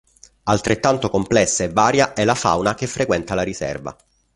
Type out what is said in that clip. Altrettanto complessa e varia è la fauna che frequenta la riserva.